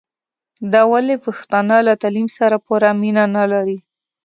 دا ولي پښتانه له تعليم سره پوره مينه نلري